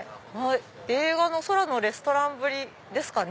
映画の『そらのレストラン』ぶりですかね。